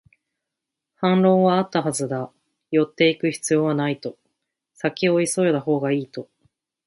反論はあったはずだ、寄っていく必要はないと、先を急いだほうがいいと